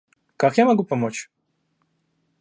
Как я могу помочь?